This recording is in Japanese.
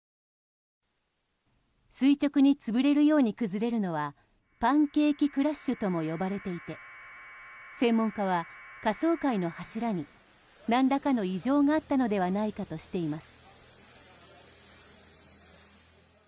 垂直に潰れるように崩れるのはパンケーキ・クラッシュとも呼ばれていて専門家は下層階の柱に何らかの異常があったのではないかとしています。